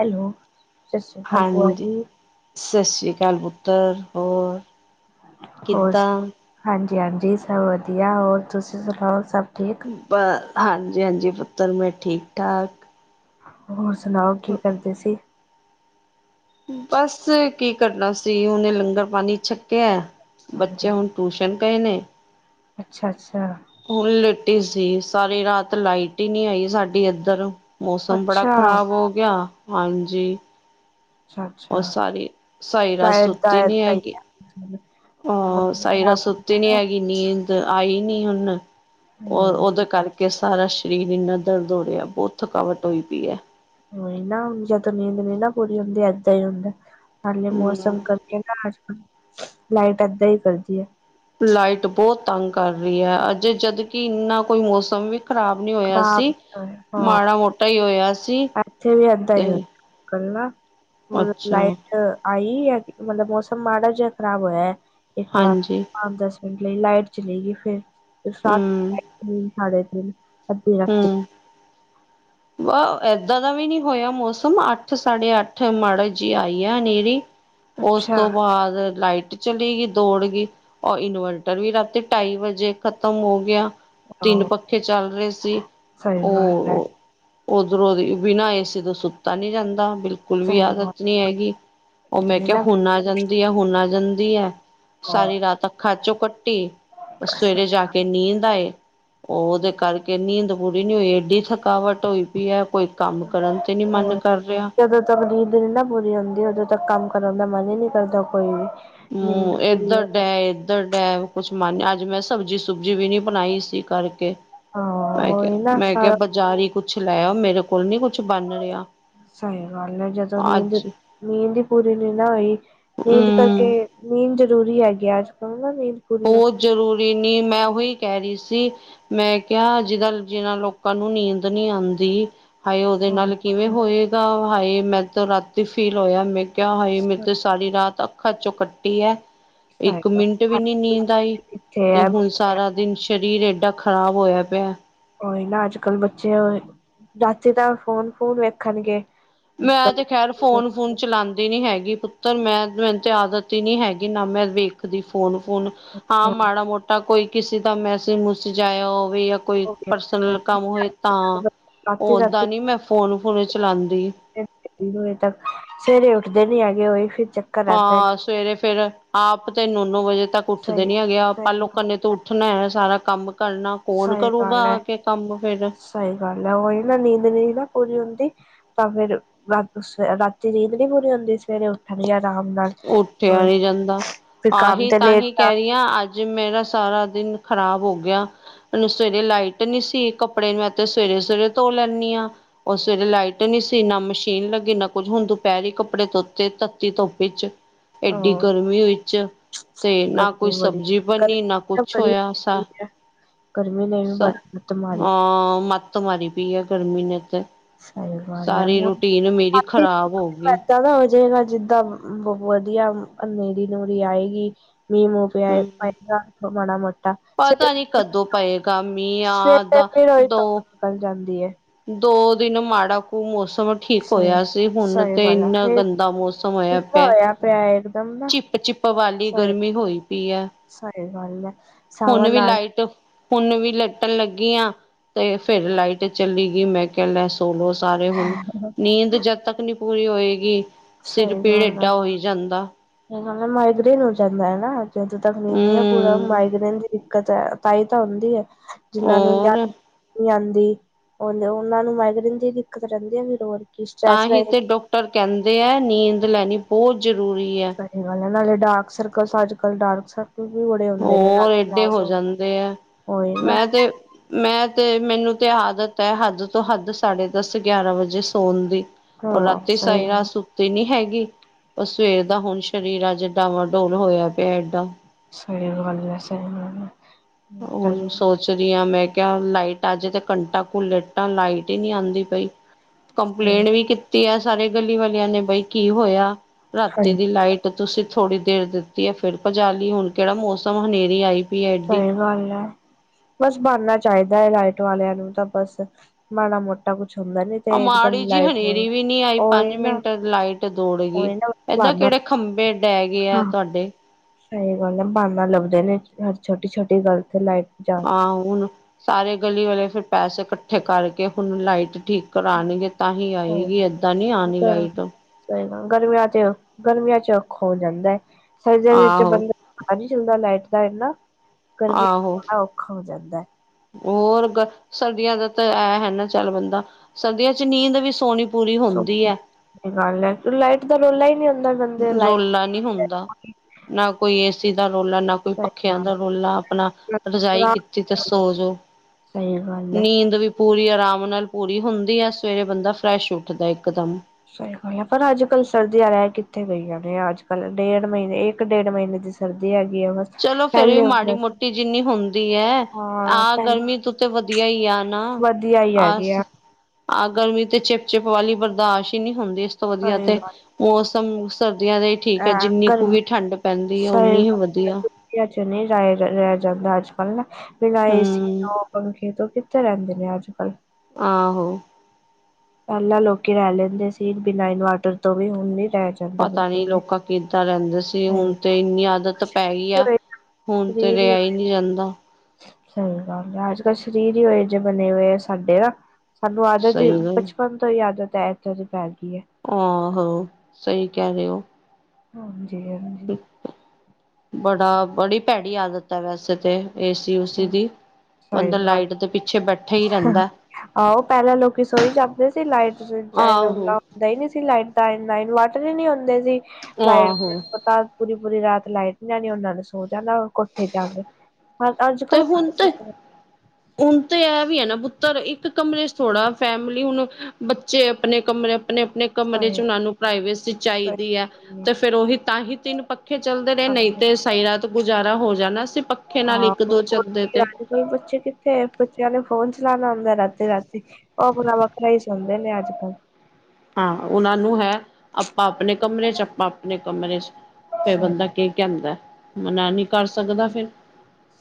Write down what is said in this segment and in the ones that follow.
Hello, ਸਾਸਰੀ ਕਾਲ ਭੂਆ ਜੀ। ਸਸਰੀ ਕਾਲ ਪੁੁੱਤਰ ਹੋਰ। ਹੋਰ- ਕਿੱਦਾਂ ਹਾਂਜੀ ਹਾਂਜੀ ਸਭ ਵਧੀਆ ਹੋਰ ਤੁਸੀਂ ਸੁਣਾਓ, ਸਭ ਠੀਕ? ਬ ਹਾਂਜੀ ਹਾਂਜੀ, ਪੁੱਤਰ ਮੈਂ ਠੀਕ-ਠਾਕ। ਹੋਰ ਸੁਣਾਓ, ਕੀ ਕਰਦੇ ਸੀ? ਬਸ ਕੀ ਕਰਨਾ ਸੀ ਹੁਨੇ ਲੰਗਰ ਪਾਣੀ ਛੱਕਿਆ। ਬੱਚੇ ਹੁਣ ਟਊਸ਼ਨ ਗਏ ਨ ਅੱਛਾ-ਅੱਛਾ। ਹੁਣ ਲੇਟੀ ਸੀ ਸਾਰੀ ਰਾਤ ਲਾਈਟ ਈ ਨੀ ਆਈ ਸਾਡੇ ਏਧਰ। ਮੌਸਮ ਬੜਾ ਅੱਛਾ ਖ਼ਰਾਬ ਹੋ ਗਿਆ, ਹਾਂਜੀ। ਅੱਛਾ ਓ ਅੱਛਾ, ਸਾਰੀ ਸਾਰੀ ਰਾਤ ਡਾਇਟ ਦਾ ਸੁੱਤੀ ਨੀ ਏਦਾਂ ਹੀ ਹੈਗੀ। ਆ। ਔਰ ਸਾਰੀ ਰਾਤ ਸਤੀ ਨੀ ਹੈਗੀ। ਨੀਂਦ ਆਈ ਨੀ ਹੁਣ, ਔਰ ਹੂੰ, ਓਦੇ ਕਰਕੇ ਸਾਰਾ ਸਰੀਰ ਇੰਨਾ ਦਰਦ ਓ ਰਿਆ, ਬੋਤ ਥਕਾਵਟ ਹੋਈ ਪੀ ਐ। ਓਈ ਨਾ ਹੁੁਣ ਜਦੋਂ ਨੀਂਦ ਨੀ ਨਾ ਪੂਰੀ ਹੁੰਦੀ, ਏਦਾਂ ਈ ਹੁੰਦਾ। ਹਾਲੇ ਮੌਸਮ ਹਮ ਕਰਕੇ ਨਾ ਅਜ ਕੱਲ ਲਾਈਟ ਐਧਾਂ ਈ ਕਰਦੀ ਏ। ਲਾਈਟ ਬੋਤ ਤੰਗ ਕਰ ਰਈ ਐ, ਅਜੇ ਜਦ ਕੀ ਇੰਨਾ ਕੋਈ ਮੌਸਮ ਵੀ ਖ਼ਰਾਬ ਨੀ ਓਇਆ ਖ਼ਰਾਬ ਸੀ, ਹਾਂ, ਮਾੜਾ ਮੋਟਾ ਈ ਓਇਆ ਸੀ। ਤੇ ਕਰਨਾ ਫਿਰ ਅੱਛਾ ਲਾਈਟ ਆਈ ਐ, ਕੀ ਮਲਬ ਮੌਸਮ ਮਾੜਾ ਜਿਆ ਖਰਾਬ ਹੋਇਆ ਇੱਕ ਵਾਰ। ਹਾਂਜੀ ਪੰਜ-ਦਸ ਮਿੰੰਟ ਲਈ ਲਾਈਟ ਚਲੇ ਗੀ ਫੇਰ, ਉਸ ਰਾਤ ਹਮ ਤਿੰਨ-ਸਾਢੇ ਤਿੰਨ ਅੱਧੀ ਰਾਤੀ। ਵ ਏਦਾਂ ਦਾ ਵੀ ਨੀ ਹੋਇਆ ਮੌਸਮ, ਅੱਠ-ਸਾਢੇ ਅੱਠ ਮਾੜਾ ਜੀ ਆਈ ਐ ਹਨੇਰੀ। ਓਸ ਅੱਛਾ ਤੋਂ ਬਾਦ ਲਾਈਟ ਚਲੀ ਗੀ ਦੌੜ ਗੀ, ਔਰ ਇਨਵਰਟਰ ਵੀ ਰਾਤੀ ਢਾਈ ਵਜੇ ਖਤਮ ਹੋ ਗਿਆ। ਤਿੰਨ ਆਹੋ ਪੱਖੇ ਚੱਲ ਰੇ ਸੀ, ਸਹੀ ਗੱਲ ਹੈ ਓ ਓਧਰੋਂ ਦੀ ਬਿਨਾਂ ਏ ਸੀ ਤੋਂ ਸੁੱਤਾ ਨੀ ਜਾਂਦਾ ਬਿਲ ਬਿਲਕੁਲ ਵੀ ਸਹੀ ਗੱਲ ਆਦਤ ਨੀ ਹੈਗੀ, ਓ ਮੈਂ ਕਿਆ ਹੁਨ ਆ ਜਾਂਦੀ ਐ, ਹੁਨ ਆ ਜਾਂਦੀ ਐ। ਸਾਰੀ ਰਾਤ ਅੱਖਾਂ ਚੋ ਕੱਟੀ, ਓ ਸਵੇਰੇ ਜਾ ਕੇ ਨੀਂਦ ਆਏ। ਓਦੇ ਕਰਕੇ ਨੀਂਦ ਪੂਰੀ ਨੀ ਹੋਈ, ਏਡੀ ਥਕਾਵਟ ਹੋਈ ਪੀ ਐ, ਕੋਈ ਕੰਮ ਕਰਨ ਤੇ ਨੀ ਮਨ ਕਰ ਰਿਆ। ਤਬ ਨੀਦ ਨੀ ਨਾ ਪੂਰੀ ਹੁੰਦੀ, ਉਦੋਂ ਤੱਕ ਕੰਮ ਕਰਨ ਦਾ ਮਨ ਈ ਨੀ ਕਰਦਾ ਕੋਈ ਵੀਵ ਹੂੰ ਏਧਰ ਡੈ ਏ ਧਰ ਡੈ ਕੁਛ ਮੰਨ ਅੱਜ ਮੈਂ ਸਬਜ਼ੀ ਸੁਬਜੀ ਵੀ ਨੀ ਬਣਾਈ ਇਸੀ ਕਰਕੇ। ਹਾਂ ਮੈਂ ਕਿਆ ਉਹੀ ਨਾ ਮੈਂ ਕਿਆ ਸਾਰਾ ਬਾਜ਼ਾਰੀ ਕੁੱਛ ਲੈ ਆਓ, ਮੇਰੇ ਕੋ ਕੋਲ ਨੀ ਕੁਛ ਬਣ ਰਿਆ, ਸਹੀ ਗੱਲ ਹੈ ਜਦੋਂ ਨੀਂਦ ਅੱਜ। ਨੀਂਦ ਈ ਪੂਰੀ ਨੀ ਨਾ ਹੋਈ, ਨੀਂਦ ਹਮ ਕਰਕੇ, ਨੀਂਦ ਜ਼ਰੂਰੀ ਹੈਗੀ ਅਜ ਕਰੋ ਨਾ ਨੀਂਦ ਪੂਰੀ ਹੁਣ। ਬਹੁਤ ਜ਼ਰੂਰੀ ਨੀ ਮੈਂ ਓਹੀ ਕੈ ਰੀ ਸੀ। ਮੈਂ ਕਿਆ ਅੱਜਕਲ੍ਹ ਜਿਨਾਂ ਲੋਕਾਂ ਨੂੰ ਨੀਂਦ ਨੀ ਆਂਦੀ। ਹਾਏ ਓਦੇ ਸਹੀ ਨਾਲ ਕਿਵੇਂ ਗੱਲ ਹੈ, ਹੋਏਗਾ, ਹਾਏ ਮੈਂ ਤੇ ਰਾਤੀ ਫੀਲ ਹੋਇਆ। ਮੈਂ ਕਿਆ ਹਾਏ ਮੇਰੇ ਤੇ ਸਾਰੀ ਰਾਤ ਅੱਖਾਂ ਚੋਂ ਕੱਟੀ ਹੈ ਸਹੀ ਇੱਕ ਗੱਲ ਮਿੰਟ ਵੀ ਹੈ। ਨੀ ਨੀਂਦ ਆਈ ਕਿੱਥੇ ਤੇ ਹੈ ਹੁਣ ਬੱਚੇ, ਸਾਰਾ ਦਿਨ ਸਰੀਰ ਏਡਾ ਖ਼ਰਾਬ ਹੋਇਆ ਪਿਆ। ਉਹੀ ਨਾ ਅੱਜ ਕੱਲ੍ਹ ਬੱਚੇ, ਰਾਤੀ ਤਾਂ ਫੋਨ -ਫੂਨ ਵੇਖਣਗੇ ਮੈਂ ਤੇ ਖੈਰ ਫੋਨ - ਫੂਨ ਚਲਾ ਦੀ ਨਹੀ ਹੈਗੀ ਪੁੱਤਰ ਮੈਂ ਮੈਨੂੰ ਤੇ ਆਦਤ ਹੀ ਨਹੀਂ ਹੈਗੀ ਨਾ ਮੈਂ ਵੇਖਦੀ ਫੋਨ ਫੂਨ -ਫੋਨ ਹਾਂ ਮਾੜਾ ਮੋਟਾ ਕੋਈ ਕਿਸੇ ਦਾ ਮੈਸੇਜ ਮੁਸਜ ਆਇਆ ਹੋਵੇ ਜਾਂ ਕੋਈ ਪਰਸਨਲ ਕੰਮ ਹੋਏ ਤਾਂ, ਰਾਤੀ ਰਾਤੀ ਓਦਾਂ ਨੀ ਮੈਂ ਫੋਨ -ਫੂਨ ਚਲਾਉਂਦੀ ਤਿੰਨ ਵਜੇ ਤੱਕ ਸਵੇਰੇ ਉੱਠਦੇ ਨੀ ਹੈਗੇ ਹੋਏ ਫਿਰ ਚ ਹਾਂ ਸਵੇਰੇ ਫੇਰ ਆਪ ਤੇ ਨੋ -ਨੋ ਵਜੇ ਤੱਕ ਉੱਠਦੇ ਸਹੀ ਨੀ ਹੈਗੇ ਸਹੀ ਪਰ ਲੋਕਾਂ ਗੱਲ ਦੇ ਹੈ ਓਹਨੇ ਸਾਰਾ ਕੰਮ ਕਰਨਾ ਫੋਨ ਸਹੀ ਕਰੂਗਾ ਗੱਲ ਹੈ ਆ ਕੇ ਕੰਮ ਫੇਰ ਸਹੀ ਗੱਲ ਹੈ ਉਹੀ ਨਾ ਨੀਂਦ ਨਈ ਨਾ ਪੂਰੀ ਹੁੰਦੀ ਤਾਂ ਫੇਰ ਰਾਤੀ ਨੀਂਦ ਨੀ ਪੂਰੀ ਹੁੰਦੀ ਸਵੇਰੇ ਉੱਠਣ ਦੀ ਆਰਾਮ ਨਾਲ ਉੱਠਿਆ ਹੋਰ ਨਹੀਂ ਜਾਂਦਾ ਫਿਰ ਕੰਮ ਆਹੀ ਤੇ ਲੇਟ ਤਾਂਹੀ ਜਾ ਕਹਿ ਰਹੀ ਹਾਂ ਅੱਜ ਅੱਜ ਮੇਰਾ ਸਾਰਾ ਦਿਨ ਖ਼ਰਾਬ ਹੋ ਗਿਆ ਸਵੇਰੇ ਲਾਈਟ ਨੀ ਸੀ ਕੱਪੜੇ ਮੈਂ ਤੇ ਸਵੇਰੇ -ਸਵੇਰੇ ਧੋ ਲੈਂਨੀ ਆ ਉਸ ਸਵੇਰੇ ਲਾਈਟ ਨੀ ਸੀ ਨਾ ਮਸ਼ੀਨ ਲੱਗੀ, ਨਾ ਕੁੱਝ ਹੁਣ ਦੁਪਹਿਰੀ ਕੱਪੜੇ ਧੋਤੇ ਤੱਤੀ ਧੁੱਪ ਵਿੱਚ ਐਡੀ ਹਾਂ ਗਰਮੀ ਵਿੱਚ ਤੇ ਨਾ ਕੋਈ ਗਰਮੀ ਬੜੀ ਸਬਜ਼ੀ ਬਣੀ ਨਾ ਗਰਮੀ ਕੁਛ ਬੜੀ ਹੋਇਆ ਸਾ ਹੈ ਗਰਮੀ ਨੇ ਵੀ ਸਾ ਬੜੀ ਲੱਤ ਮਾਰੀ ਹਾਂ ਮੱਤ ਮਾਰੀ ਪਈ ਆ ਗਰਮੀ ਨੇ ਤੇ ਸਹੀ ਗੱਲ ਹੈ ਸਾਰੀ ਰੂਟੀਨ ਮੇਰੀ ਆਪੇ ਖ਼ਰਾਬ ਹੋ ਗਈ ਇਦਾਂ ਦਾ ਹੋ ਜਾਏਗਾ ਜਿੱਦਾਂ ਬੋਤ ਵਧੀਆ ਹਨੇਰੀ ਨੂਰੀ ਆਏਗੀ ਮੀਂਹ ਮੂੰਹ ਹਮ ਪਵੇਗਾ ਮਾੜਾ ਮੋਟਾ ਸਵੇਰੇ ਪਤਾ ਨੀ ਕਦੋਂ ਪਏਗਾ ਮੀਹ ਆ ਸਵੇਰੇ ਤਾਂ ਫਿਰ ਉਹੀ ਦੋ ਧੁੱਪ ਨਿਕਲ ਜਾਂਦੀ ਏ ਦੋ ਦਿਨ ਮਾੜਾ ਕੁ ਮੌਸਮ ਠੀਕ ਸਹੀ ਹੋਇਆ ਸੀ ਹੁਣ ਸਹੀ ਤੇ ਗੱਲ ਆ ਇੰਨਾ ਫੇਰ ਗੰਦਾ ਮੌਸਮ ਹੋਇਆ ਕਿੱਦਾਂ ਪਿਆ ਹੋਇਆ ਇਕਦਮ ਨਾ ਚਿੱਪ ਵਾਲੀ ਸਹੀ ਗਰਮੀ ਹੋਈ ਪਈ ਹੈ ਸਹੀ ਗੱਲ ਹੈ ਹੁਣ ਸਾਵਨ ਵੀ ਨਾਲ ਲਾਈਟ ਹੁਣ ਵੀ ਲੇਟਣ ਲੱਗੀ ਆ ਤੇ ਫਿਰ ਲਾਈਟ ਚੱਲ ਗਈ ਮੈਂ ਕਹਿ ਲੈ ਧੋਲੋ ਸਾਰੇ ਹੁਣ ਨੀਂਦ ਜਦ ਤੱਕ ਨੀ ਪੂਰੀ ਹੋਏਗੀ ਸਿਰ ਸਹੀ ਪੀੜ ਗੱਲ ਹੈ ਏਡਾ ਹੋਈ ਜਾਂਦਾ ਇਹਨਾਂ ਦੇ ਮਾਈਗ੍ਰੇਨ ਹੋ ਜਾਂਦਾ ਹੈ ਨਾ ਜਦੋਂ ਤੱਕ ਨੀਂਦ ਨਹੀਂ ਪੂਰਾ ਹਮ ਮਾਈਗ੍ਰੇਨ ਦੀ ਦਿੱਕਤ ਹੈ ਤਹੀ ਤਾਂ ਹੁੰਦੀ ਹੈ ਜਿਹਨਾਂ ਨੂੰ ਨੀਂਦ ਔਰ ਨੀ ਆਉਂਦੀ ਉਹ ਉਹਨਾਂ ਨੂੰ ਮਾਈਗ੍ਰੇਨ ਦੀ ਦਿੱਕਤ ਰਹਿੰਦੀ ਆ ਫਿਰ ਹੋਰ ਕੀ ਤਾਂ ਸਟ੍ਰੈਸ ਹੀ ਰਹੇ ਤੇ ਡਾਕਟਰ ਕਹਿੰਦੇ ਹੈ ਨੀਂਦ ਲੈਣੀ ਬਹੁਤ ਜ਼ਰੂਰੀ ਹੈ। ਸਹੀ ਗੱਲ ਹੈ ਨਾਲੇ ਡਾਰਕ ਸਰਕਲ ਅੱਜ ਕੱਲ ਡਾਰਕ ਸਰ ਵੀ ਬੜੇ ਹੁੰਦੇ ਨੇ ਹੋਰ ਰਾਤੀ ਏਡੇ ਨਾ ਹੋ ਸੋ ਜਾਂਦੇ ਆ ਹੋਏ ਨਾ ਮੈਂ ਤੇ ਮੈਂ ਤੇ ਮੈਨੂੰ ਤੇ ਆਦਤ ਹੈ ਹੱਦ ਤੋਂ ਹੱਦ ਸਾਢੇ ਦਸ ਗਿਆਰਾਂ ਵਜੇ ਸੋਣ ਦੀ। ਔਰ ਹਾਂ ਰਾਤੀ ਸਹੀ ਸਾਰੀ ਰਾਤ ਗੱਲ ਸੁ ਤੀ ਨੀ ਹੈਗੀ ਉਹ ਸਵੇਰ ਦਾ ਹੁਣ ਸਰੀਰ ਅੱਜ ਡਾਵਾਂ ਡੋਲ ਹੋਇਆ ਪਿਆ ਏਡਾ। ਸਹੀ ਗੱਲ ਏ ਸਹੀ ਗੱਲ ਏ ਹੁਣ ਸੋਚ ਦੀ ਆ ਮੈਂ ਕਿਹਾ ਲਾਈਟਾਂ ਚ ਘੰਟਾ ਕੋੁ ਲੇਟਾਂ ਲਾਈਟ ਹੀ ਨੀ ਆਉਂਦੀ ਪਈ। ਹਮ। ਕੰਪਲੇਂਟ ਵੀ ਕੀਤੀ ਆ ਸਾਰੇ ਗਲੀ ਵਾਲਿਆਂ ਨੇ ਬਈ ਕੀ ਹੋਇਆ ਰਾਤੀ ਹਾਂਜੀ ਦੀ ਲਾਈਟ ਤੇ ਤੁਸੀਂ ਥੋੜ੍ਹੀ ਦੇਰ ਦਿੱਤੀ ਹੈ ਫਿਰ ਭਜਾਲੀ ਹੁਣ ਕਿਹੜਾ ਮੌਸਮ ਹਨੇਰੀ ਆਈ। ਪਈ ਹੈ ਐਡੀ ਸਹੀ ਗੱਲ ਐ। ਬਸ ਬਣਨਾ ਚਾਹੀਦਾ ਏ, ਲਾਈਟ ਵਾਲਿਆਂ ਨੂੰ ਤਾਂ ਬਸ ਮਾੜਾ-ਮੋਟਾ ਕੁਛ ਹੁੰਦਾ ਨੀ ਆ ਤੇ ਇਕਦਮ ਮਾੜੀ ਜੀ ਲਾਈਟ ਹਨੇਰੀ ਵੀ ਨੀ ਆਈ, ਉਹੀ ਪੰਜ ਨਾ ਮਿੰਟ'ਚ ਲਾਈਟ ਦੌੜ ਗਈ। ਉਹੀ ਨਾ ਏਦਾਂ ਬਹਾਨਾ ਕਿਹੜੇ ਖੰਬੇ ਡਹਿ ਗਏ ਆ, ਹਾਂ ਤੁਹਾਡੇ? ਸਹੀ ਗੱਲ ਐ, ਬਾਨਾ ਲੱਭਦੇ ਨੇ ਹਰ ਛੋਟੀ-ਛੋਟੀ ਗੱਲ ਤੇ ਲਾਈਟ ਜਾ ਹਾਂ ਹੁਣ, ਸਾਰੇ ਗਲੀ ਵਾਲੇ ਫਿਰ ਪੈਸੇ ਇਕੱਠੇ ਕਰਕੇ ਹੁਣ ਲਾਈਟ ਠੀਕ ਕਰਾਣਗੇ ਤਾਂ ਹੀ ਸਹੀ ਆਏਗੀ, ਏਦਾਂ ਨੀ ਆਣੀ ਗੱਲ ਲਾਈਟ। ਸਹੀ ਗੱਲ ਏ, ਗਰਮੀਆਂ ਤੇ ਗਰਮੀਆਂ'ਚ ਔਖਾ ਹੋ ਜਾਂਦਾ ਏ, ਸਰਦੀਆਂ ਦੇ ਵਿੱਚ ਆਹੋ ਬੰਦਾ ਪਤਾ ਨੀ ਚੱਲਦਾ ਲਾਈਟ ਦਾ ਇੰਨਾ, ਗਰਮੀਆ'ਚ ਆਹੋ ਬੜਾ ਔਖਾ ਹੋ ਜਾਂਦਾ। ਹੋਰ ਗ, ਸਰਦੀਆਂ ਦਾ ਤਾਂ ਐ ਹੈ ਨਾ ਚੱਲ ਬੰਦਾ ਸਰਦੀਆਂ'ਚ ਨੀਂਦ ਵੀ ਸੋਹਣੀ ਪੂਰੀ ਸੋ ਹੋਂਦੀ ਐ। ਗੱਲ ਐ, ਲਾਈਟ ਦਾ ਰੌਲਾ ਈ ਨਹੀਂ ਹੁੰਦਾ। ਬੰਦੇ ਲਾਈਟ ਰੋਲਾ ਨਹੀਂ ਸਹੀ ਹੁੰਦਾ, ਨਾ ਕੋਈ ਏਸੀ ਦਾ ਰੌਲਾ ਨਾ ਕੋਈ ਪੱਖਿਆਂ ਗੱਲ ਦਾ ਹੈ ਰੋਲਾ ਅਪਨਾ, ਰਜਾਈ ਕੀਤੀ ਤਾ ਸੋਜੋ। ਸਹੀ ਗੱਲ ਐ। ਪੂਰੀ ਅਰਾਮ ਨਾਲ ਪੂਰੀ ਹੁੰਦੀ ਆ, ਸਵੇਰੇ ਬੰਦਾ ਫਰੈਸ਼ ਉੱਠਦਾ ਇੱਕਦਮ। ਸਹੀ ਗੱਲ ਆ, ਪਰ ਅੱਜ-ਕੱਲ ਸਰਦੀਆਂ ਰਹਿ ਕਿੱਥੇ ਗਈਆ ਨੇ, ਅੱਜ-ਕੱਲ ਡੇਢ ਮਹੀਨੇ ਇੱਕ, ਡੇਢ ਮਹੀਨੇ ਦੀ ਸਰਦੀ ਆ ਗਈ ਏ, ਬਸ। ਚਲੋ, ਫਿਰ ਵੀ ਪਹਿਲੇ ਹੁੰਦਾ ਸੀ ਮਾੜੀ-ਮੋਟੀ ਜਿੰਨੀ ਹੁੰਦੀ ਐ। ਹਾਂ ਆਹ ਪਹਿ ਗਰਮੀ ਤੋਂ ਤੇ ਵਧੀਆ ਈ, ਆ ਨਾ। ਵਧੀਆ ਹੀ ਹੈਗੇ ਆਸ ਆ। ਆਹ ਗਰਮੀ ਤੇ ਚਿਪ-ਚਿਪ ਵਾਲੀ ਬਰਦਾਸ਼ਤ ਹੀ ਨਹੀਂ ਹੁੰਦੀ, ਇਸ ਤੋਂ ਵਧੀਆ ਸਹੀ ਤੇ ਗੱਲ ਮੌਸਮ ਸਰਦੀਆਂ ਦਾ ਈ ਠੀਕ ਏ, ਹੈ ਜਿੰਨੀ ਕੁ ਗਰਮੀ ਵੀ ਠੰਡ ਪੈਂਦੀ ਏ ਓਨੀ ਹੀ ਵਧੀਆ। ਵਿਆਹ'ਚ ਨਹੀਂ ਜਾਇਆ ਜਾਂਦਾ, ਅੱਜ-ਕਲ ਨਾ। ਲਾਏ ਸੀ, ਹਮ ਦੋ ਪੰਖੇ ਤੋਂ ਕਿੱਥੇ ਰਹਿੰਦੇ ਨੇ ਅੱਜ-ਕੱਲ। ਆਹੋ। ਪਹਿਲਾਂ ਲੋਕੀ ਰਹਿ ਲੈਂਦੇ ਸੀ ਬਿਨਾਂ ਇਨਵਰਟਰ ਤੋਂ ਵੀ, ਹੁਣ ਨਹੀਂ ਰਹਿ ਜਾਂਦਾ ਪਤਾ ਬਿਲਕੁਲ ਨੀ ਵੀ ਲੋਕਾਂ ਕਿੱਦਾਂ ਰਹਿੰਦੇ ਸੀ, ਹੁਣ ਸਹੀ ਤੇ ਇੰਨੀ ਆਦਤ ਪੈਗੀ ਆ। ਹੁਣ ਤੇ ਸਰੀਰ ਹੀ ਰਿਆ ਈ ਹੋਏ ਨਹੀਂ ਜਾਂਦਾ। ਸਹੀ ਗੱਲ ਆ ਅੱਜ-ਕੱਲ ਸ਼ਰੀਰ ਈ ਓਹੇ ਜੇ ਬਣੇ ਹੋਏ ਆ ਸਾਡੇ ਨਾ। ਸਾਨੂੰ ਆਦਤ ਈ, ਸਹੀ ਗੱਲ ਬਚਪਨ ਤੋਂ ਈ ਆਦਤ ਐ ਇਦਾਂ ਦੀ ਪੈ ਗਈ ਐ। ਆਹੋ, ਸਹੀ ਕਹਿ ਰਹੇ ਓ। ਹਾਂਜੀ-ਹਾਂ। ਬੜਾ-ਬੜੀ ਭੈੜੀ ਆਦਤ ਐ ਵੈਸੇ ਤੇ, ਏਸੀ-ਉਸੀ ਦੀ। ਸਹੀ ਬੰਦਾ ਗੱਲ, ਲਾਈਟ ਦੇ ਪਿੱਛੇ ਬੈਠਾ ਹੀ ਰਹਿੰਦਾ ਆਹੋ ਪਹਿਲਾਂ ਲੋਕੀ ਸੋਈ ਜਾਂਦੇ ਸੀ ਲਾਈਟ ਆਹੋ। ਗਈ ਨਹੀਂ ਸੀ ਲਾਈਟ ਤਾਂ ਇਨਾਆ ਇਨ ਵਾਟਰ ਈ ਨਹੀਂ ਹੁੰਦੇ ਸੀ, ਲਾਈਟ ਤਾਂ ਆਹੋ ਪਤਾ ਪੂਰੀ-ਪੂਰੀ ਰਾਤ ਲਾਈਟ ਨੀ ਆਣੀ, ਉਹਨਾਂ ਨੂੰ ਸੋ ਜਾਣਾ ਕੋਠੇ ਜਾਕੇ। ਤੇ, ਹੁਣ ਤੇ ਹੁਣ ਤੇ ਐ ਵੀ ਆ ਨਾ ਪੁੱਤਰ, ਇੱਕ ਕਮਰੇ'ਚ ਥੋੜਾ ਫੈਮਿਲੀ ਹੁਣ ਜੇ ਆਪਣੇ ਕਮਰੇ ਅਪਣੇ-ਅਪਣੇ ਕਮਰੇ'ਚ ਸਹੀ ਉਹਨਾਂ ਨੂੰ ਪ੍ਰਾਈਵੇਸੀ ਚਾਹੀਦੀ ਆ। ਤੇ ਸਹੀ। ਫਿਰ ਉਹੀ ਤਾਂ ਹੀ ਤਿੰਨ ਪੱਖੇ ਚੱਲਦੇ ਰਹੇ, ਨਹੀਂ ਤੇ ਉਹ ਸਾਈ ਰਾਤ ਗੁਜ਼ਾਰਾ ਹੋ ਜਾਣਾ ਸੀ, ਪੱਖੇ ਨਾਲ ਇੱਕ-ਦੋ ਚੱਲਦੇ ਤੇ। ਨਹੀਂ ਬੱਚੇ ਕਿੱਥੇ ਐ, ਬੱਚਿਆਂ ਨੇ ਫੋਨ ਚਲਾਣਾ ਹੁੰਦਾ ਰ੍ਹਾਤੀ-ਰ੍ਹਾਤੀ ਉਹ ਅਪਨਾ ਵੱਖਰਾ ਈ ਸੋਂਦੇ ਨੇ ਅੱਜ-ਕੱਲ। ਹਾਂ, ਉਹਨਾਂ ਨੂੰ ਹੈ, ਆਪਾ ਅਪਣੇ ਕਮਰੇ'ਚ, ਆਪਾ-ਅਪਣੇ ਕਮਰੇ'ਚ। ਫੇਰ ਸਹੀ ਬੰਦਾ ਕੀ ਕੈਂਦਾ, ਮਨਾ ਨੀ ਕਰ ਸਕਦਾ ਫੇਰ।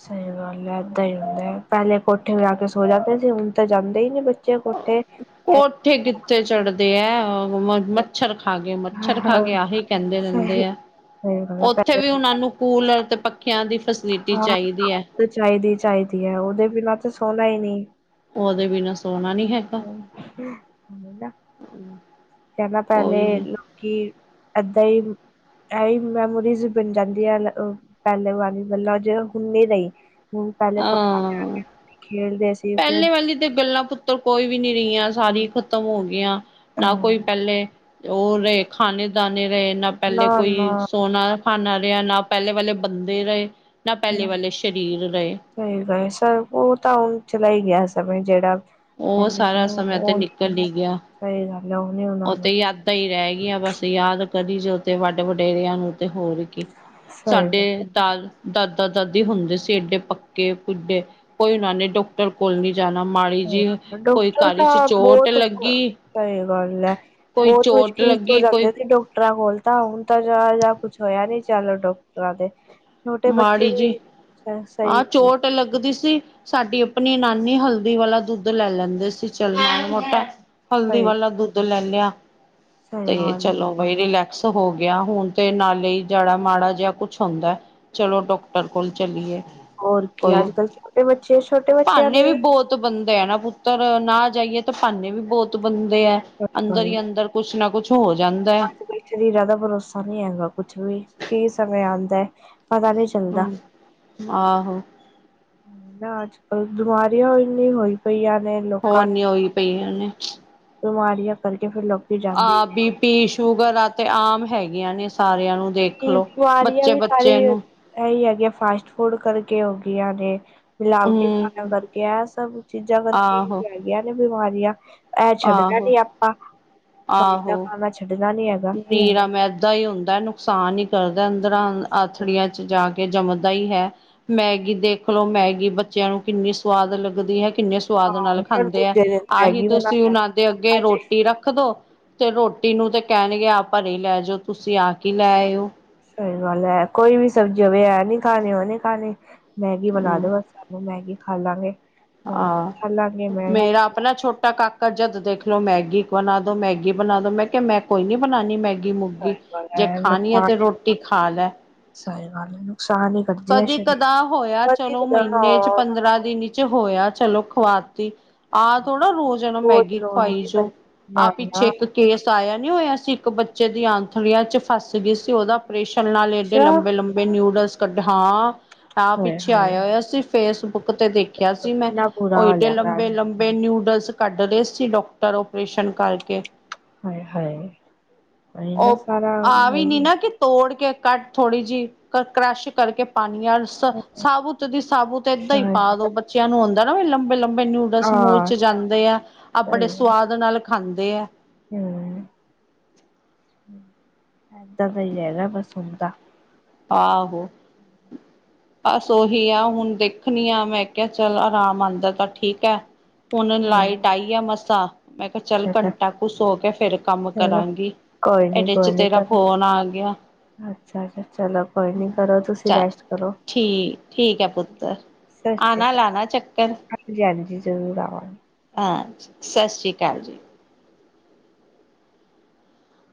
ਸਈ ਗੱਲ ਐ ਏਦਾਂ ਈ ਹੁੰਦਾ ਪੈਲੇ ਕੋਠੇ ਪੇ ਆਕੇ ਸੋ ਜਾਂਤੇ ਸੀ ਹੁਣ ਤਾਂ ਜਾਂਦੇ ਹਨ ਨੀ ਬੱ ਕੋਠੇ ਓਥੇ ਕਿਥੇ ਚੜਦੇ ਐ ਅ ਮੱਛਰ ਖਾ ਗੇ ਮੱਛਰ ਖਾ ਹਾਂ ਗੇ ਆਹੀ ਕੈਂਦੇ ਰੈਂਦੇ ਸਹੀ ਆ, ਸਹੀ ਗੱਲ ਹੈ ਓਥੇ ਪਹਿਲੇ ਵੀ ਤਾਂ ਓਨਾਂ ਨੂੰ ਕੂਲਰ ਤੇ ਪੱਖਿਆਂ ਦੀ ਫੈਸਿਲਿਟੀ ਚਾਹੀਦੀ ਹੈ ਹਾਂ, ਚਾਈਦੀ ਈ ਚਾਈਦੀ ਐ ਓਦੇ ਬਿਨਾਂ ਤਾਂ ਸੋਣਾ ਈ ਨੀ। ਓਦੇ ਬਿਨਾ ਸੋਣਾ ਨੀ ਹੈਗਾ ਕੈਂਦਾ ਪੈਲੇ ਕੋਈ ਨੀ ਲੋਕੀ ਏਦਾਂ ਈ ਏਹੀ ਮੈਮੋਰੀਜ਼ਸ ਬਣ ਜਾਂਦੀ ਆ ਪੈਲੇ ਵਾਲੀ ਜੋ ਹੁਨ ਨਈ ਰਈ। ਹੂਨ ਪੈਲੇ ਚਲਾ ਕੇ ਖੇਲਦੇ ਸੀ। ਪੈਲੇ ਕੁਦ ਵਾਲੀ ਤੇ ਗੱਲਾਂ ਪੁੱਤਰ ਕੋਈ ਵੀ ਨੀ ਰਹੀਆਂ ਸਾਰੀ ਖ ਖਤਮ ਹੋ ਗਈਆਂ। ਨਾ ਕੋਈ ਹਮ ਪੈਲੇ ਓ ਰਏ ਖਾਣੇ-ਦਾਣੇ ਰਏ ਨਾ ਪੈਲੇ ਕੋਈ ਨਾ-ਨਾ ਸੋਨਾ ਖ਼ਾਨਾ ਰਆ ਨਾ ਪੈਲੇ ਵਾਲੇ ਬੰਦੇ ਰਏ। ਨਾ ਪੈਲੇ ਵਾਲੇ ਸਰੀਰ ਰਏ। ਸਈ ਗ ਸਰ ਓ ਤਾਂ ਹੁਣ ਚਲਾ ਇ ਗਿਆ ਸਮੇ ਜੇੜਾ ਓ ਸਾਰਾ ਸਮੇਂ ਤੇ ਨਿਕਲ ਈ ਗਿਆ, ਸਹੀ ਗੱਲ ਉਹ ਨੀ ਹੋਣਾ ਓ ਹੁਣ ਤੇ ਤਾਂ ਏ ਰੈ ਗਇਆ ਬਸ ਯਾਦ ਕਰੀ ਜੋ ਤੇ ਵੱਡ ਵਡੇਰਿਆਂ ਨੂੰ ਤੇ ਹੋਰ ਕੀ। ਸਹੀ ਸਾਡੇ ਗੱਲ ਤਾਰ ਦਾਦਾ-ਦਾਦੀ ਹੁੰਦੇ ਸੀ ਏਡੇ ਪੱਕੇ ਕਿੱਡੇ ਕੋਈ ਉਹਨਾਂ ਨੇ ਡਾਕਟਰ ਕੋਲ ਨੀ ਜਾਣਾ ਮਾੜੀ ਜਿਵ, ਕੋਈ ਕਾਰ ਚ ਚੋਟ ਲੱਗੀ। ਸਈ ਗਾਲ ਐ, ਕੋਈ ਬੋਤ ਚੋਟ ਮੁਸ਼ਕਿਲ ਤੋਂ ਲੱਗੀ ਕੋਈ ਜਾਂਦੇ ਸੀ ਡੋਕ ਡਕਟਰਾਂ ਕੋਲ ਤਾਂ ਹੁਣ ਤਾਂ ਜਿਆ ਜੀ ਕੁਝ ਹੋਯਾ ਨੀ ਚਾਲੋ ਡਾਕਟਰਾਂ ਤੇ ਛੋਟੇ ਬੱਚੇ ਨੂੰ ਵੀ, ਸੇ ਸਹੀ ਤੇ ਲੱਗਦੀ ਸੀ। ਸਾਡੀ ਅਪਣੀ ਨਾਨੀ ਹਲਦੀ ਵਾਲਾ ਦੁੱਧ ਲੈ ਲੈਂਦੇ ਸੀ ਚੱਲ ਮਾੜਾ-ਮੋਟਾ ਹਲਦੀ ਸਹੀ ਵਾਲਾ ਦੁੱਧ ਲੈਨੇ, ਸਹੀ ਤੇ ਗੱਲ ਚਲੋ ਬਈ ਰਿਲੈਕਸ ਹੋ ਗਿਆ। ਹੁਣ ਤੇ ਨਾਲੇ ਜੜਾ ਮਾੜਾ ਜਿਆ ਕੁਛ ਹੁੰਦਾ ਏ ਚਲੋ ਡੋਕਟਰ ਕੋਲ ਚੱਲੀਏ। ਹੋਰ ਕੀ ਅੱਜ-ਕੱਲ੍ਹ ਛੋਟੇ ਬੱਚੇ, ਛੋਟੇ ਬੱਚਿਆਂ ਨੂੰ ਵੀ ਬੋਤ ਬੰਦੇ ਐ ਨਾ ਪੁੱਤਰ ਨਾ ਜਾਈਏ ਤਾਂ ਭਾਨੇ ਵੀ ਬੋਤ ਬੰਦੇ ਐ ਸਹੀ ਅੰਦਰ ਗੱਲ ਈ ਅੰਦਰ। ਕੁਛ ਨਾ ਕੁਛ ਹੋ ਜਾਂਦਾ ਐ। ਇਸ ਲਈ ਜਾਦਾ ਭਰੋਸਾ ਨੀ ਹੈਗਾ ਕੁਛ ਵੀ, ਕੀ ਸਮੇਂ ਆਂਦਾ ਐ ਪਤਾ ਨੀ ਹੂੰ, ਆਹੋ। ਨਾ ਅੱਜ-ਕੱਲ ਦੁਮਾਰੀਆਂ ਇੰਨੀ ਹੋਈ ਪਈਆਂ ਨੇ ਲੋ ਹੋਰ ਨੀ ਹੋਈ ਪਈ ਨੇ ਬਮਾੜੀਆਂ ਕਰਕੇ ਫੇਰ ਲੋਕ ਆ ਬੀਪੀ ਸ਼ੂਗਰ ਆ ਤੇ ਆਮ ਹੈਗੀਆਂ ਨੇ ਸਾਰਿਆਂ ਨੂੰ ਦੇਖਲੋ। ਬਿਮਾਰੀਆਂ ਬੱਚੇ ਵੀ ਸਾਰੇ ਬੱਚੇ ਨੂੰ ਐਈ ਹੈਗੀ ਆ ਫਾਸਟ ਫੂਡ ਕਰਕੇ ਹੋ ਗਈਆਂ ਨੇ ਮਿਲਾਵਟੀ ਹੂੰ ਖਾਣਾ ਕਰਕੇ ਐ ਸਭ ਚੀਜ਼ਾਂ ਕਰਕੇ ਆਹੋ ਹੈਗੀਆ ਨੇ ਬਿਮਾਰੀਆਂ ਐ ਛੱਡਣਾ ਆਹੋ ਨੀ ਆਪਾਂ, ਬਾਰ ਦਾ ਖਾਨਾ ਛੱਡਣਾ ਨੀ ਹੈਗਾ ਨਿਰਾ ਮੈਦਾ ਈ ਹੁੰਦਾ ਨੁਕਸਾਨ ਈ ਕਰਦਾ ਅੰਦਰਾਂ ਆਥੜੀਆਂ ਚ ਜਾ ਕੇ ਕੇ ਜੰਮਦਾ ਈ ਹੈ ਮੈਗੀ ਦੇਖਲੋ ਮੈਗੀ ਬੱਚਿਆਂ ਨੂੰ ਕਿੰਨੀ ਸਵਾਦ ਲੱਗਦੀ ਹੈ ਕਿੰਨੇ ਸਵਾਦ ਨਾਲ ਹਾਂ ਫਿਰ ਖਾਂਦੇ ਐ ਦੂਜੇ ਦਿਨ ਆਹੀ ਮੈਗੀ ਬਣਾ ਤੁਸੀਂ ਲਓ, ਉਨਾਂ ਦੇ ਅੱਗੇ ਅੱਜ ਰੋਟੀ ਰੱਖਦੋ ਤੇ ਰੋਟੀ ਨੂੰ ਤੇ ਕਹਿਣਗੇ ਆ ਭਰੇ ਹੀ ਲੈ ਜੋ, ਤੁਸੀਂ ਆ ਕੀ ਲੈ ਆਏ ਓ ਸਹੀ ਗੱਲ ਹੈ ਕੋਈ ਵੀ ਸਬਜ਼ੀ ਹੋਵੇ ਐ ਨੀ ਖਾਣੇ ਓ ਨੀ ਖਾਣੀ, ਮੈਗੀ ਬਣਾ ਹੂੰ ਦੋ ਬਸ ਮੰਮਾ ਮੈਗੀ ਖਾ ਲਾਂਗੇ ਆ ਖਾ ਲਾਂਗੇ ਮੈਗੀ ਮੇਰਾ ਆਪਣਾ ਛੋਟਾ ਕਾਕਾ ਜਦ ਦੇਖਲੋ ਮੈਗੀ ਬਣਾ ਦੋ ਮੈਗੀ ਬਣਾ ਦੋ, ਮੈਂ ਕਿਹਾ ਮੈਂ ਕੋਈ ਨੀ ਬਣਾਣੀ ਮੈਗੀ ਮੈਗੀ ਮੁਗੀ ਜੇ ਖਾਣੀ ਐ ਨੁਕਸਾਨ ਤੇ ਰੋਟੀ ਖਾ ਲੈ ਸਹੀ ਗੱਲ ਐ ਨੁਕਸਾਨ ਈ ਕਦੀ ਕਦਾ ਹੋਇਆ ਚਲੋ ਮਹੀਨੇ ਚ ਪੰਦਰਾਂ ਦਿਨੀਂ ਚ ਹੋਇਆ ਚਲੋ ਖਵਾਤੀ ਆਹ ਥੋੜਾ ਰੋਜ਼ ਇਹਨੂੰ ਰੋਜ਼ ਮੈਗੀ ਰੋਜ਼ ਖਵਾਈ ਨੀ ਜੋ, ਆਹ ਨਾ ਪਿੱਛੇ ਨਾ ਇੱਕ ਕੇਸ ਆਇਆ ਨੀ ਹੋਇਆ ਸੀ, ਇੱਕ ਬੱਚੇ ਦੀ ਆਂਥੜੀਆਂ ਚ ਫਸ ਗਈ ਸੀ ਉਹਦਾ ਆਪਰੇਸ਼ਨ ਨਾਲ ਏਡੇ ਅੱਛਾ ਲੰਬੇ- ਲੰਬੇ ਬੀ ਨਿਊਡਲਸ ਕੱਢੇ, ਹਾਂ ਤਾਂ ਹਾਏ ਪਿੱਛੇ ਹਾਏ ਆਇਆ ਹੋਇਆ ਸੀਂ ਫੇਸਬੁੱਕ ਬੁੱਕ ਤੇ ਦੇਖਿਆ ਸੀ ਮੈਂ, ਕਿੰਨਾ ਬੁਰਾ ਓ ਹਾਲ ਏਡੇ ਹੈਗਾ ਲੰਬੇ- ਅੱਜ ਲੰ ਨਿਊਡਲਸ ਕੱਢ ਰੇ ਸੀ, ਡਾਕਟਰ ਓਪਰੇਸ਼ਨ ਕਰਕੇ ਹਾਏ- ਹਾਏ ਇਹਨਾ ਉਹ ਸਾਰਾ ਆ ਵੀ ਨੀ ਹੋਈ ਨਾ ਕਿ ਤੋੜ ਕੇ ਕੱਟ ਥੋੜੀ ਜੀ ਕਰੱਸ਼ ਕਰਕੇ ਪਾਨੀ ਆਂ ਸਾਬੂਤ ਦੀ ਸਾਬੁੂਤ ਏਦਾਂ ਈ ਸ਼ਾਇਦ ਪਾ ਦੋ, ਬੱਚਿਆਂ ਨੂੰ ਹੁੰਦਾਂ ਨਾ ਵੀ ਲੰਬੇ- ਲੰਬੇ ਨਿਊ ਬਸ ਮੋਲ ਹਾਂ ਚ ਜਾਂਦੇ ਆ, ਆਹ ਬੜੇ ਸੁਵਾਦ ਨਾਲ ਖਾਂਦੇ ਆ ਹੂੰ, ਐਦਾਂ ਦਾ ਹੀ ਹੈਗਾ ਬਸ ਹੁਣ ਤਾਂ ਆਹੋ। [inaudible] ਬਸ ਉਹੀ ਆ ਹੁਣ ਦੇਖਣੀ ਆ, ਮੈਂ ਕਿਹਾ ਚੱਲ ਅਰਾਮ ਆਂਦਾ ਤਾਂ ਠੀਕ ਹੈ ਹੁਣ ਲਾਈਟ ਅੱਛਾ ਆਈ ਆ ਮਸਾਂ, ਮੈਂ ਕਿਹਾ ਚੱਲ ਅੱਛਾ ਘੰਟਾ ਕੁ ਸੋ ਕੇ ਫਿਰ ਕੰਮ ਚਲੋ ਕਰਾਂਗੀ। ਕੋਈ ਨੀ ਏਡੇ ਚ ਕੋਈ ਨੀ ਤੇਰਾ ਕਰੋ ਫ਼ੋਨ ਆ ਗਿਆ। ਅੱਛਾ- ਅੱਛਾ ਚਲੋ ਕੋਈ ਨੀ ਕਰੋ ਤੁਸੀਂ ਚ ਰੈਸਟ ਕਰੋ ਠੀਕ- ਠੀਕ ਐ ਪੁੱਤਰ ਸਤਿ ਸ਼੍ਰੀ ਆਣਾ ਲਾਣਾ ਚੱਕਰ ਹਾਂਜੀ -ਹਾਂਜੀ ਜ਼ਰੂਰ ਆਵਾਗੀ। ਹਾਂ, ਸਤਿ ਸ੍ਰੀ ਅਕਾਲ ਜੀ।